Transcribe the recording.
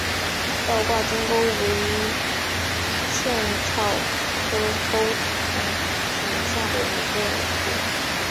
倒挂金钩为茜草科钩藤属下的一个种。